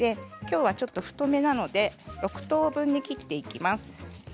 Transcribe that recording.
きょうは、ちょっと太めなので６等分に切っていきます。